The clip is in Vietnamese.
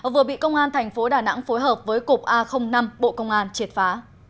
vừa bị công an thành phố đà nẵng phối hợp với cục a năm bộ công an triệt phá